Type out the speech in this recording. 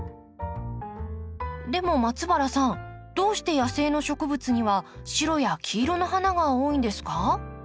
でも松原さんどうして野生の植物には白や黄色の花が多いんですか？